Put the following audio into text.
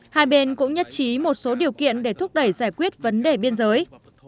hai bên cũng nhất trí một số điều kiện để thúc đẩy giải quyết vấn đề biên giới